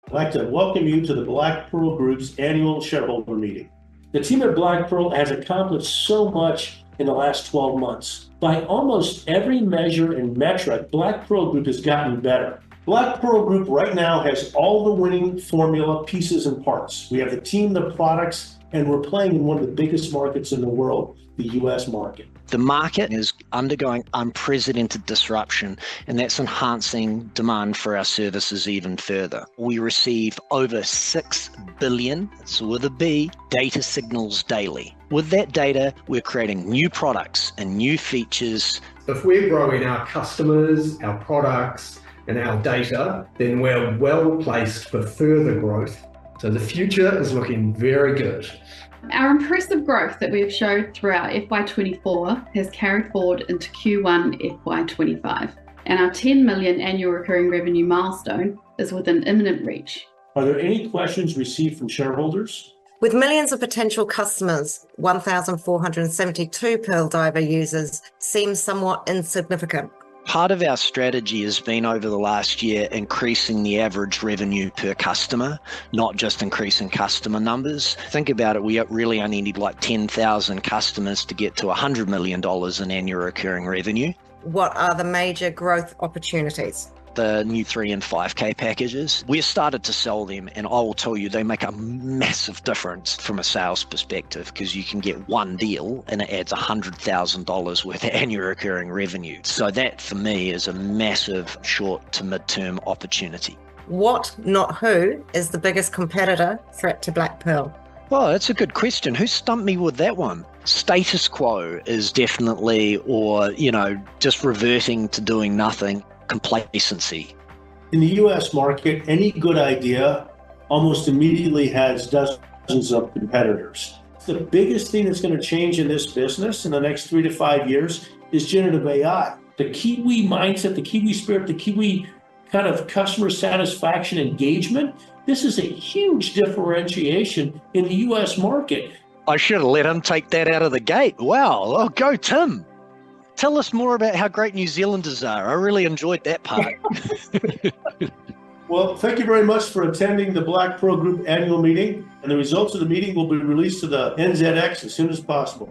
I'd like to welcome you to the Black Pearl Group's annual shareholder meeting. The team at Black Pearl has accomplished so much in the last 12 months. By almost every measure and metric, Black Pearl Group has gotten better. Black Pearl Group right now has all the winning formula pieces and parts. We have the team, the products, and we're playing in one of the biggest markets in the world, the U.S. market. The market is undergoing unprecedented disruption, and that's enhancing demand for our services even further. We receive over 6 billion, that's with a B, data signals daily. With that data, we're creating new products and new features. If we're growing our customers, our products, and our data, then we're well-placed for further growth, so the future is looking very good. Our impressive growth that we've showed throughout FY24 has carried forward into Q1 FY25, and our 10 million annual recurring revenue milestone is within imminent reach. Are there any questions received from shareholders? With millions of potential customers, 1,472 Pearl Diver users seems somewhat insignificant. Part of our strategy has been, over the last year, increasing the average revenue per customer, not just increasing customer numbers. Think about it. We really only need, like, 10,000 customers to get to $100 million in annual recurring revenue. What are the major growth opportunities? The new 3 and 5K packages. We have started to sell them, and I will tell you, they make a massive difference from a sales perspective, 'cause you can get one deal, and it adds $100,000 worth of annual recurring revenue. So that, for me, is a massive short- to mid-term opportunity. What, not who, is the biggest competitor threat to Black Pearl? Well, that's a good question. You stumped me with that one. Status quo is definitely... or, you know, just reverting to doing nothing, complacency. In the U.S. market, any good idea almost immediately has dozens of competitors. The biggest thing that's gonna change in this business in the next three to five years is generative AI. The Kiwi mindset, the Kiwi spirit, the Kiwi kind of customer satisfaction engagement, this is a huge differentiation in the U.S. market. I should have let him take that out of the gate. Wow! Oh, go Tim. Tell us more about how great New Zealanders are. I really enjoyed that part. Well, thank you very much for attending the Black Pearl Group annual meeting, and the results of the meeting will be released to the NZX as soon as possible.